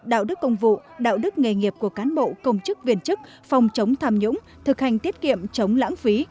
đạo đức công vụ đạo đức nghề nghiệp của cán bộ công chức viên chức phòng chống tham nhũng thực hành tiết kiệm chống lãng phí